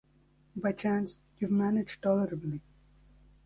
By chance, you’ve managed tolerably.